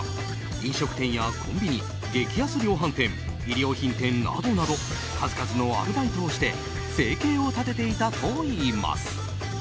飲食店やコンビニ、激安量販店衣料品店などなど数々のアルバイトをして生計を立てていたといいます。